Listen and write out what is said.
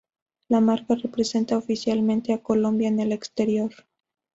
La marca representa oficialmente a Colombia en el exterior.